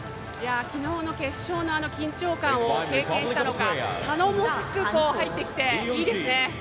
昨日の決勝の緊張感を経験したのか頼もしく入ってきていいですね。